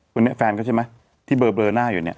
คนนี้แฟนเขาใช่ไหมที่เบอร์หน้าอยู่เนี่ย